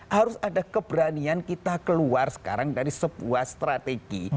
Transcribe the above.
harus ada keberanian kita keluar sekarang dari sebuah strategi